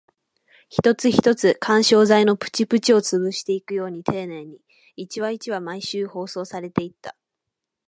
一つ一つ、緩衝材のプチプチを潰していくように丁寧に、一話一話、毎週放送されていった